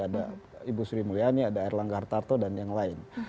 ada ibu sri mulyani ada erlangga hartarto dan yang lain